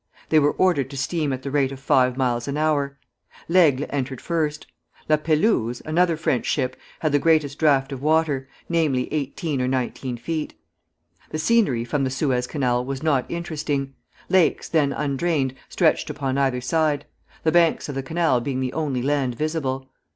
They were ordered to steam at the rate of five miles an hour. "L'Aigle" entered first. "La Pelouse," another French ship, had the greatest draught of water; namely, eighteen or nineteen feet. The scenery from the Suez Canal was not interesting. Lakes, then undrained, stretched upon either side; the banks of the canal being the only land visible.